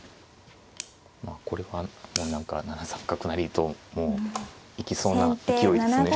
まあこれは何か７三角成ともう行きそうな勢いですね。